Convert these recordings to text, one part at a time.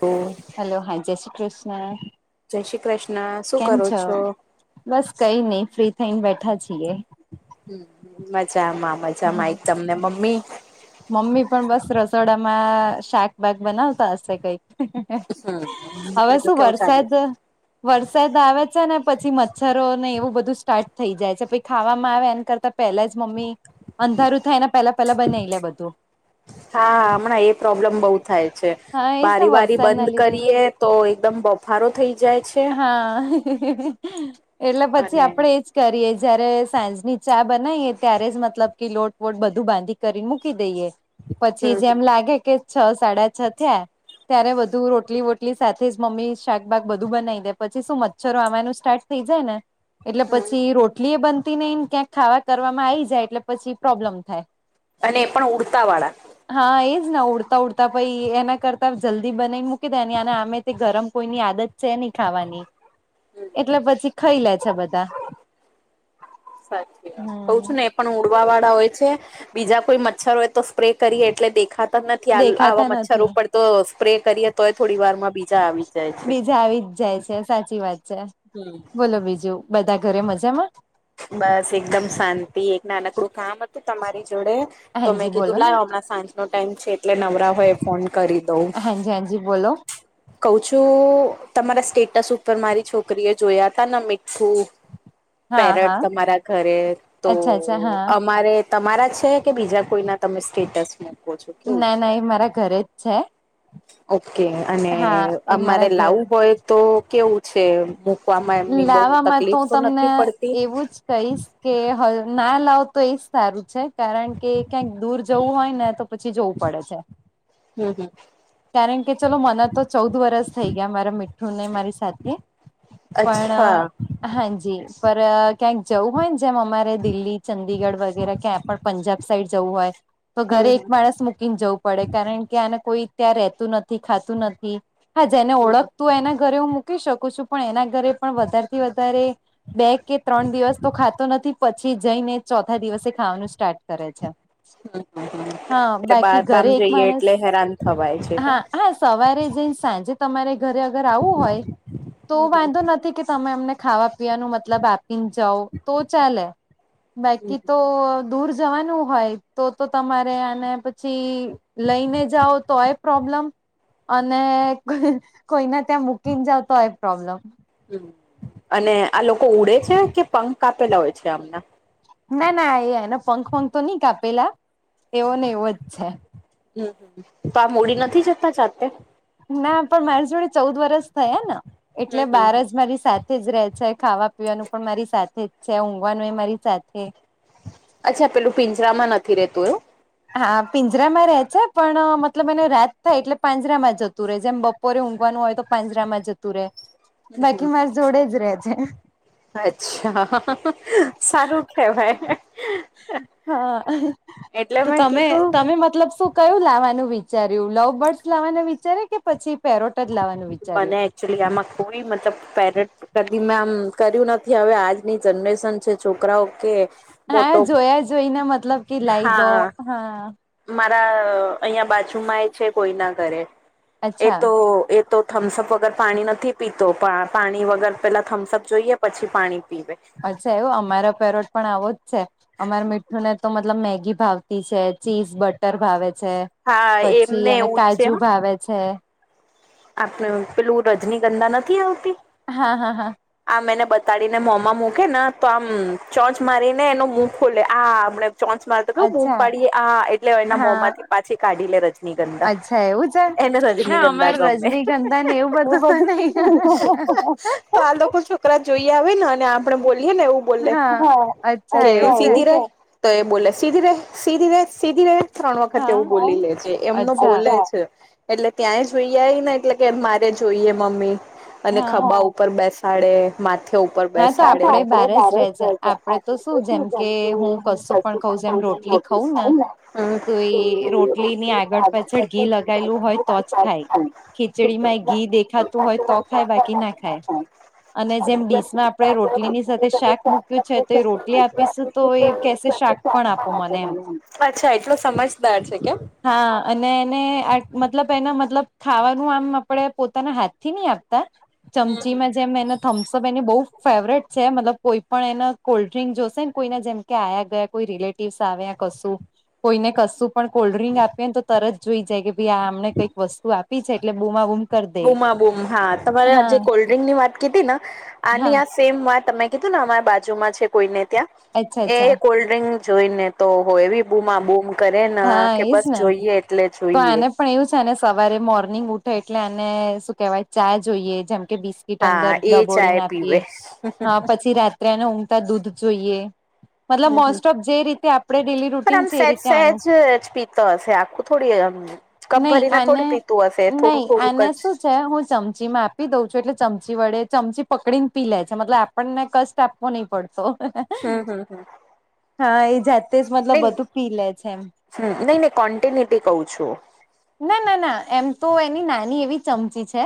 હમ્મ. Hello હા જય શ્રી કૃષ્ણ. જય શ્રી કૃષ્ણ. શું કેમ કરો છ છો? બસ કઈ નઈ ફ્રી થઈને બેઠા છીએ. હમ્મ મજામાં મજામાં એક દમ ને મમ્મી. મમ્મી પણ બસ રસોડામાં શાકબાક બનાવતા હશે કઈક. હવે બીજું શું કેવું ચાલે વરસાદ છે? વરસાદ આવે છે ને પછી મચ્છ થઈ જાય છે પછી ખાવામાં આવે એના કરતાં પેલા જ મમ્મી અંધારું થાય ને પેલા પેલા બને લે બધું. તો હા અમણાં એ પ્રોબ્લમ બહુ થાય છેં હા એજ બારી ને વારી વરસાદના બંધ લીધે કરીયે તો એક દમ બફારો થયે જય છેં હા એટલે પછી અને આપડે એજ કરીએ જયારે સાંજની ચા બનાવીએ ત્યારે જ મતલબ કે લોટવોટ બધું બાંધી કરી મુકી મૂકી દઈએ પછી હમ હમ જેમ લાગે કે છ સાડા છ થયા ત્યારે બધું રોટલી વોટલી સાથે જ મમ્મી શાકબાક બધું બનાવી દે પછી શું મચ્છરો આવાનું સ્ટાર્ટ થય જાયને એટલે પછી રોટલી એ બનતી નઈને ક્યાંક ખાવા કરવામાં આવી જાય એટલે પછી પ્રોબ્લેમ થાય. અને એ પણ ઉડતા વાળા. હા એજના ઉડતા ઉડતા [unintelligible] એના કરતા જલ્દી બનાવી મૂકી દે [unintelligible] ગરમ કોઈ ની આદત ચેની ખાવાની એટલે પછી ખઈ લે છે બધા. સાચી વાત કું છું ને પણ ઉડવા વાળા હોય છે‌. બીજા કોઈ મચ્છર હોય તો સ્પ્રે કરીએ એટલે દેખા ત નથી દેખાતા આવા મચ્છર નથી ઉપર તો સ્પ્રે કરીએ તોય થોડી વાર માં બીજા આવી જાય છે. બીજા આવી જ જાય છે સાચી વાત છે. હમ બોલો બીજું બધા ઘરે મજામાં? બસ એકદમ શાંતિ એક નાનકડું કામ હતું તમારી જોડે તો હાજી મેં બોલો કીધું ને લાવ સાંજ નો ટાઈમ છે એટલે નવરા હોય એ ફોન કરી દઉં હાંજી હાંજી બોલો. કઉ છું. તમારા સ્ટેટસ ઉપર મારી છોકરીએ જોયા તા ના મીઠું હા પેરટ હા તમારા ઘરે તો અચ્છા અચ્છા હા અમારે તમારા છે કે બીજા કોઈના તમે સ્ટેટસ મૂકો છો કેવું ના છે ના એ મારા ઘરે જ છે. ઓકે અને હા એ અમારે મારા ઘર લાવું હોય તો કેવું છે [unintelligible] એમની બઉ લાવવામાં તકલીફ હું તો તમને નથી પડતી એવું જ કહીશ કે [unintelligible] તો ના લાવ તોજ સારું છે. કારણ કે ક્યાંક દૂર જવું હોય ને તો પછી જવું પડે છે. હમ્મ હમ્મ કારણ કે ચલો મના તો ચૌદ વરષ થઇ ગયા મારા મીઠું ને મારી સાથે અચ્છા પણ હાજી પર ક્યાંક જવું હોય ને જેમ અમારે દિલ્હી ચંંદીગઢ વગેરે ક્યાંય પણ પંજાબ સાઈડ જવું હોય તો હમ ઘરે એક હમ માણસ મૂકીને જવું પડે કારણ કે આને કોઈ ત્યાં રેતું નથી ખાતું નથી હા જેને હમ ઓળખ તું એના ઘરે હું મૂકી શકું છું. પણ એના પણ વધારેથી વધારે બે કે ત્રણ દિવસ તો ખાતો નથી પછી જઈને ચોથા દિવસે ખાવાનું સ્ટાર્ટ કરે છે. હમમ હમ્મ હા એટલે બાર બાકી કામ ઘરે એક જઈએ માણસ એટલે હેરાન થવાય છે કે! હા હા સવારે જઈ સાંજે તમારે ઘરે અગર આવું હોય તો હમ હમ વાંધો નથી કે તમે અમને ખાવા પીવાનું મતલબ આપી જાવ તો ચાલે. હમ બાકી તો દૂર જવાનું હોય તો તો તમારે આને પછી લઈને જાઓ તો એય પ્રોબ્લમ અને કોઈને ત્યા મૂકીને જાવ તોય એ પ્રોબ્લમ. હમ્મ અને આ લોકો ઉડે છે કે પંખ આપેલા હોય છે અમના? ના ના એ એનો પંખો ની કાપેલા એવો ને એવો જ છે. હમ તો આ મૂડી નથી જતા જાતે? ના પણ મારી જોડે ચૌદ વરસ થયા ના એટલે હમ બાર હમ જ મારી સાચ જ રેય છે. ખાવા પીવાનું પણ મારી સાથે જ છે ઊંઘવાનું એ મારી સાથે અચ્છા પેલું પિંજરામાં નથી રેતું એવું હા પિંજરામાં રહે છે પણ મતલબ એને રાત થાય એટલે પાંજરામાં જતું રહે જેમ બપોરે ઊંઘવાનું હોય તો પાંજરામાં જતું રહેે બાકી મારે જોડે જ રહે છે અચ્છા સારું કેવાય હા એટલે તો મેં તમે કીધું તમે મતલબ શું કયું લાવવાનું વિચાર્યું લવ બર્ડસ લાવવાનું વિચાર્યું કે પછી પેરોટ જ લાવવાનું વિચાર્યું એચુલી આમાં કોઈ મતલબ પેરેટ કદી મેમ કર્યું નથી હવે આજની જનરેશન છે છોકરાઓ કે હા મોટો જોયા જોઈને મતલબ કે લાવી દો હા હા મારા અહં બાજુમાં એ છે કોઈ ના ઘરે એ અચ્છા તો એ. તો થમ્સઅપ વગર પાણી નથી પીતો પાણી વગર પેલા થમ્સઅપ જોઈએ પછી પાણી પીવે. અચ્છા એવું અમારો પેરોટ પણ આવો જ છે અમારે મીઠું ને તો મતલબ મેગી ભાવતી છે ચીઝ બટર ભાવે છે. હા પછી એમને એને એવું કાજુ ભાવે છે. આપ પેલું રજની ગંદા નથી આવતી. હા હા હા આમ એને બતાડીને મોમા મૂકે ને તો આમ ચોંચ મારીને એનો મુ ખોલે આ આપડે. ચોચ માર તો ક બૂમ અચ્છા પાડીએ આ એટલે એના હા મોમાંથી પાછી કાઢી લે રજનીગંધા. અચ્છા એવું છે એને ના રજનીગંદા અમારે ગમે. રજનીગંધા ને એવું બધું તો નહી તો આ લોકો છોકરા જોઈ આવે ને અને આપડણે બોલીએ ને એવું. બોલે હા અચ્છા કે એવું છે સીધી રે તો એ બોલે સીધી રે સીધી રે સીધી રે ત્રણ વખત હા એવું બોલી લે છે એમનું અચ્છા બોલે છે એટલે ત્યાંય જોઈ આય ને. એટલે કે મારે જોઈએ મમ્મી અને હા ખંભા ઉપર બેસાડે મા. ઉપર હા તો બેસાડે આપડે આપ [inaudible] જ બાર રે છે આપડે તો શું જેમ કે હું જમતું કશું હ પણ ખઉં જેમ રોટલી ખઉં ને પણ તો એ રોટલીની આગળ પાછળ ઘી લગાયેલું હોય તો ખાય જ ખ [unintelligible] ખીચડીમાં ઘી દેખાતું હોય તો ખાય બાકી ના ખાય અને જેમ [unintelligible] ડીશમાં આપણે રોટલી ની સાથે શાક મુૂક્યું છે તો એ રોટલી આપીશું તો એ કેશે શાક પણ આપો મને એમ. અચ્છા એટલો સમજદાર છે કેમ. હા અને એને મતલબ એના મતલબ ખાવાનું આમ આપણેે પોતાના હાથથી નહી આપતા. ચમચીમાં જેમ એને થમ્સઅપ એને બઉુ. ફેવરેટ છે મતલબ કોઈ પણ એને કોલ્ડ્રિંક જોશે ને કોઈને જેમ કે આ્યા ગયા કોઈ રિલે કશું કોઈને કશું પણ કોલ્ડ્રિંક આપીએને તો તરત જોઈ જાય કે ભાઈ આ અમને કંઈક વસ્તુ આપી છે એટલે બુમાં બુમ. બુમા બુમ હા તમારે જે કોલ્ડ્રિંક ની વાત કીદી ના આવી. હા સેમ વાત તમે કીધું ને અમારા બાજુમાં છે કોઈને ત્યાં અચ્છા અચ્છા એ કોલ્ડ ડ્રિંક. જોઈ ને તો હો એવી બૂમા બૂમ કરે ને હા કે એજ બસ ને જોઈએ. એટલે તો જોઈએ એને પણ એવું છે ને સવારે મોર્નિંગ ઉઠે એટલે અનેને શું કેહેવાય ચાય જોઈએ જેમ કે બિસ કીટ હા અંદર એ ડબોડી ચાય નાખીએ પીવે હા પછી રાત્રેને ઊઘતા દૂધ જોઈએ. મતલબ મોસ્ટ ઓફ જે રીતે આપણે ડેલી પણ રૂટીન આમ એ સહેજ રીતે સહેજ આનું. જ હશે આખું થોડી કપ નહી ભરીને આને થોડી પીતું હશે થોડું નહી થોડુંક આને જ. શું હું ચમચી માં આપી દઉં છું એટલે ચમચી વડે ચમચી પકડી ને પી લે છે મતલબ પણને કષ્ટ આપવો નહીં પડતો હમ હમ હમ હા એ જાતે જ મતલબ બધું પી લે છે એમ. હ નહી નહી કોન્ટિન્યુટી કવુ છું. ના ના ના એમ તો એની નાની એવી ચમચી છે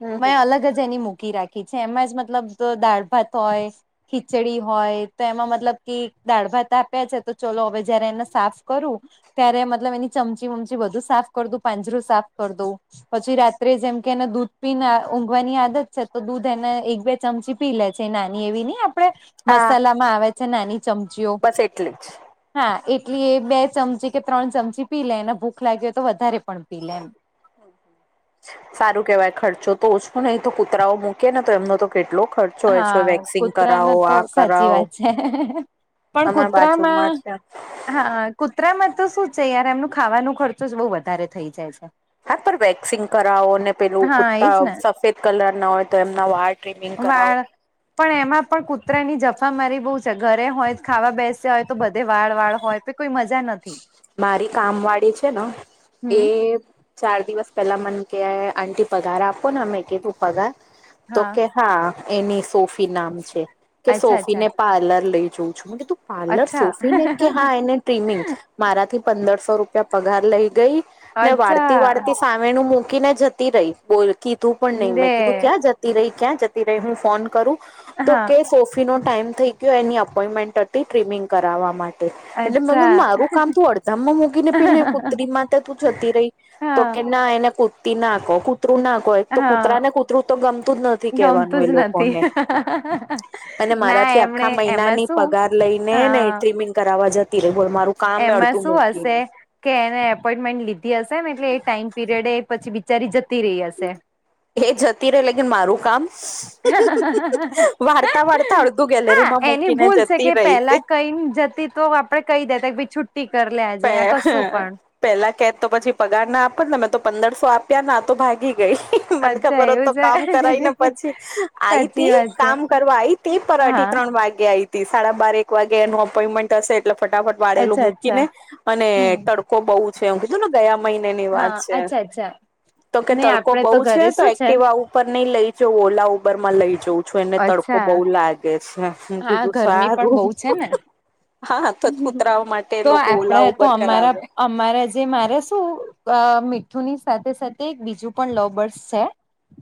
હમ મેં હમ અલગ જ એની મૂકી રાખી. ઠી છે એમાં જ મતલબ દાળ ભાત હોય ખીચડી હોય તો એમાં મતલબ કે દાળ ભાત આપ્યા છે તો ચલો હવે જયારે એને સાફ કરું ત્યારે મતલબ એની ચમચી વમચી બધું સાફ કર દું પાંજરું સાફ કરી દઉ. પછી રાત્રે જેમ કે એને દૂધ પીને ઊંઘવાની આદત છે તો દૂધ એને એક બે ચમચી પી લે છે નાની એવી ની આપડે હા મસાલામાં આવે છે નાની ચમચીઓ બસ એટલી જ હા એટલી એ બે ચમચી કે ત્રણ ચમચી પી લે એને ભૂખ લાગી હોય તો વધારે પણ પી લે એમ. હમ હમ સારુ કેવાય ખર્ચો તો ઓછો નહી તો કુતરાઓ મૂકે ને તો એમનો તો કેટલો ખર્ચો. હોય હા છે વેક્સિંગ કૂતરાને કરાવો તો આ સાચી કરાવો વાત છે. પણ અમારા બાજુમાં કૂતરામાં છે હા હા કુતરામાં તો શું છે યાર એમનું ખાવાનો ખર્ચો જ બહુ વધારે થઈ જાય છે. હા પણ વેક્સિંગ કરાવો ને પેલું હા એજ કુત્તા ને સફેદ કલર ના હોય તો એમના વાળ. ટ્રીમિંગ કરાવો વાળ પણ એમાં પણ કૂતરાની જફામારી બહુ છે ઘરે હોય ખાવા બેસે હોય તો બધે વાળ વાળ હોય. કોઈ મજા નથી. મારી કામ વાળી છે ન એ હમ ચાર દિવસ પેલા મને કહેવાય આંટી પગાર આપો ને અમે કેધું પગાર તો કે હા એની સોફી નામ છે કે અચ્છા સોફી અચ્છા ને પાર્લર લઈ જઉં છું મ તું પાર્લર અચ્છા સોફી ને કે હા એને ટ્રીમિંગ મારાથી પંદરસો રૂપિયા પગાર લઈ ગઈ ને વાળતી અચ્છા વાળતી સામેણું મૂકીને જતી રહી બોલ કીધું પણ નહી લે મેં કીધું ક્યાં જ ટી રહી ક્યાં જતી રહી હું ફોન કરું તો હા કે ફો ફી નો ટાઈમ થઈ ગયો એની અપોઈમેન્ટ હતી ટ્રિમિંગ કરવા માટે એટલે મ અચ્છા એવુ કામ તું અડધા માં મૂકી ને પેલે કુત્રીમાં તું જતી રહી તો હા કે ના એને કુત ના ક કૂતરું ના કો એક તો હા કૂતરા ને કૂતરું તો ગમતું જ નથી વાનું ગમતું એ જ નથી લોકોને અને ના મારાથી એમણે આખા એમાં મહિનાની શું પગાર લઈ ને અ ને ટ્રીમિંગ કરાવવા જતી રહી બોલ મારું કામ એમાં અડધું શું હશે મૂકીને કે એને એપોઈન્ટમેન્ટ લીધી હશે ને એટલે એ ટાઈમ પીરિયડ એ પછી બી ચારી જતી રહી હશે. એ જતી રહી મારું કામ વાર્તા વાર્તા હડું હા એની ભૂલ છે કે પેલા કઈ જતી તો આપ ણે કહી દેતા કે ભાઈ છુટ્ટી કરી લેજે યાં પે કશું પણ પેલા કેદ તો પછી પગાર ના આપે ને મેં તો પંદરસો આપ ત્યા ના તો ભાગી ગઈ મને અચ્છા ખબર હો તો એવું છે કામ કરાય ને પછી આઇ તે સાચી વાત છે કામ કરવા આવીઈ તે પર અઢી હા ત્રણ વાગે આઈ. સાડા બાર એક વાગે એનું અપોઈન્ટમેન્ટ હશે એટલે ફટાફટ વાળેલું અચ્છા મૂકી અચ્છા ને અને હમ તડકો બઉ છે એુ કીધું ને ગયા મહિને ની વાત હા છે. અચ્છા અચ્છા તો કે નહી તડકો આપડે બઉ છે ઘરે તો શું એક્ટિવા ઉપર નહી લઈ જો ઓલા ઉબરમાં લઈ જઉં છું એને તડકો બઉ અચ્છા. લાગે છે. હ હા કીધું ગરમી પણ સારું બહુ છે ને હા થત કૂતરાવા માટે તો લોકો આપડે લા તો ઉપર અમારા કરાવે અમારા જે મારે શું અ મીઠું ની સાથે સાથે એક બી જુ પણ લવ બર્ડસ છે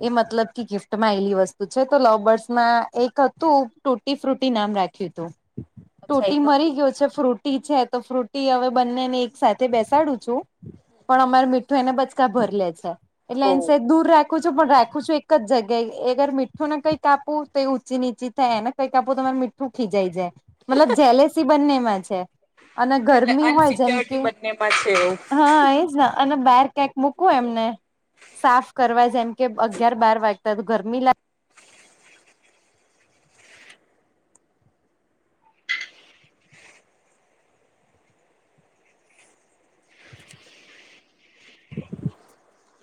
એ મતલબ કે ગિફ ટ વસ્તુ છે તો લોબર્સમાં એક હતું તૂટી ફ્રૂટી નામ રાખ્યું હતું. અચ્છા ટોટી એટલું મરી ગયો ટૂટી છે ફ્રુટી છે તો ફ્રુટી હવે બંનેને એક સાથે બેસાડું છું પણ અમાર મીઠું એને બચકા ભર લે છે ઓ એટલે એ દૂર રાખું. છું પણ રાખું છું એક જગ્યાએ એ અગર મીઠું ને કંઈકાપું તો એ ઊચી નીચી થાયને. કઈક આપું તમારે મીઠું ખીજાય જાય મતલબ જેલેસી બંનેમાં છે. અને એટલે ગરમી હોય જેમ કે અનસિક્યોરિટી બંનેમાં છે એવું. હા એ જ અને બાર કંક મુકવું એમને. સાફ કરવા જેમ કે અગિયાર બાર વાગતા તો ગરમી લાગ [inaudible]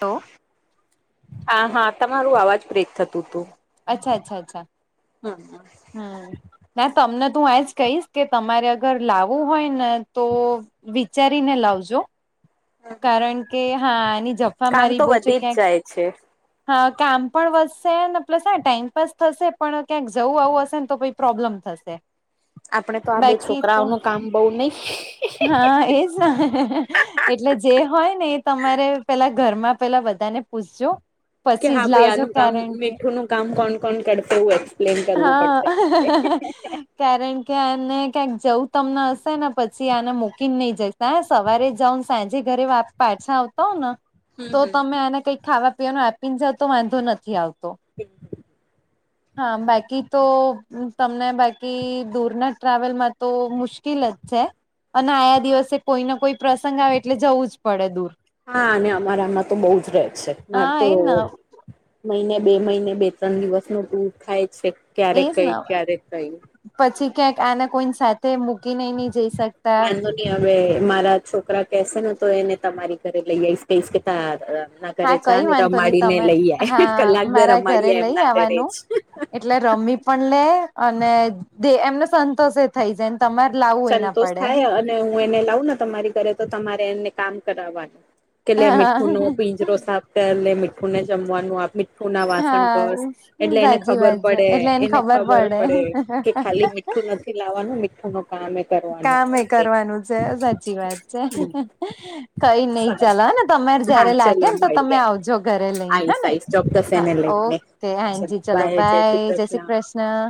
હલો. હા હા તમારું આવાજ બ્રેક થતું. અચ્છા અચ્છા અચ્છા. હમ હમ હમ્મ ને તમને તું આજ કહીશ કે તમારે અગર લાવવું હોય ને. તો વિચારીને લાવજો. કારણ કે હા એની જફા કામ મારી તો બહુ છે વધી જ ક્યાંક જાય છે. હા કામ પણ વધશેને પ્લસ હા ટાઈમપાસ થશે પણ ક્યાંક જવું આવું ને તો પ્રોબ્લેમ થશે. આપડણે તો આ બે છોકરાઓ ન કામ બઉુ નહી. હહ એ [inaudible] એટલે જે હોય ને એ તમારે પેલા ઘરમાં પેલા બધાને પૂસજો. કે હા ભાઈ આનું કામ મીઠું નું કામ કોણ કોણ કરશે એવું એક્સપ્લેન કરવું પડશે અમારે. કારન કે અને ક્યાંક જવું તમને હશે ને પછ પસી આને મુકીને નઈ જ હા સવારે જાઓ ને સાંજે ઘરે વા પાછા આવતા હોવ ને તો તમે આને કંઈક ખાવા પીવાનો આપીને જાવ તો વાંધો નથી આવતો. હમ હમ હમ. હહ બાકી તો તમને બાકી દૂરના ટ્રાવેલમાં તો મુશ્કીલ જ છે. અને આયા દિવસે કોઈને કોઈ પ્રસંગ આવે એટલે જવું જ પડે દૂર. હા અને અમારામાં તો બહુ જ રહે છે માર હા તો એજ ને મહિને બે મહિને બે ત્રણ દિવસનો ટુર થાય જ છે ક્યારેક એજ કઈ ને ક્યારેક કઈ. પછી ક્યાંક આને કોઈન સાથે મૂકીને નઈ જઈ શકતા. એ હવે મારા છોકરા કેસે ને તો એને તમારી ઘરે લઈ આઈશ. કઈશ કે તાર એમના ઘરે હા કઈ જાને વાંધો નહી રમાડીને તમે લઈ આય હા કલાક બે મારા રમાડી ઘરે આય લઈ એમના ઘરે આવવાનું જ. [inaudible] એટલે રમી પણ લે અને એમને સંતોષ એ થઈ જાયન. તમારે લાઉ સંતોષ થાય અને હું એને લાઉ ને તમારી ઘરે તો તમારે એને કામ કરાવવાનું. કે લે હા મીઠુંનો પીંજરો સાફ કર, લે મીઠુંને જમવાનું આપ, મીઠ ઠું ના વાસણ હા ઘસ એટલે એને સાચી ખબર વાત છે પડે એટલે એને ખબર પડે કે ખાલી મીઠ ઠું નથી લાવાનું, મીઠુંનું કામ એ કરવાનું કામે હોય છે કરવાનું છે સાચી વાત છે. કઈ નહીં સારું ચલ હને તમારે હા જયારે ચલો લાગે ને તો તમે મળીએ આવજો ઘરે લઈ હે આઈશ ને આઈશ ચોક્કસ હા એને લઈને ઓક કે હાનજી ચલો બાય, જય શ્રી કૃષ્ણ.